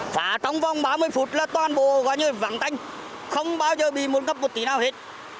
và trong vòng ba mươi phút là toàn bộ gọi như vắng tanh không bao giờ bị muốn gặp một tỷ nào hết